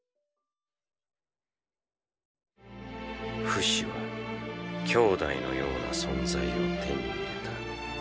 フシは兄弟のような存在を手に入れた。